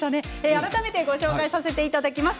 改めてご紹介させていただきます。